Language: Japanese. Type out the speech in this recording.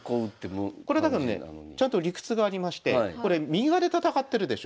これだけどねちゃんと理屈がありましてこれ右側で戦ってるでしょ。